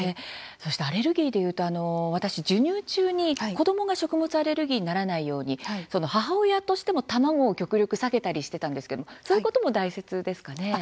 そしてアレルギーでいうと私、授乳中に子どもが食物アレルギーにならないように母親としても、卵を極力避けたりしてたんですけどそういうことも大切ですかね。